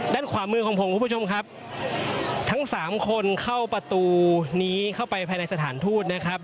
ด้านขวามือของผมคุณผู้ชมครับทั้งสามคนเข้าประตูนี้เข้าไปภายในสถานทูตนะครับ